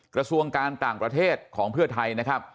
กระทรวงการต่างประเทศของเพื่อไทยนะครับ